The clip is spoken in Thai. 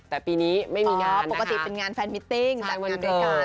แต่ปีนี้ไม่มีเนาะปกติเป็นงานแฟนมิตติ้งจัดงานด้วยกัน